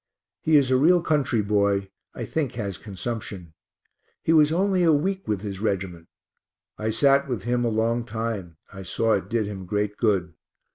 He is a real country boy; I think has consumption. He was only a week with his reg't. I sat with him a long time; I saw [it] did him great good.